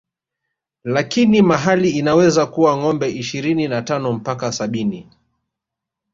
Lakinia mahali inaweza kuwa ngombe ishirini na tano mpaka sabini